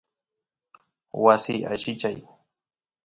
wasi allichay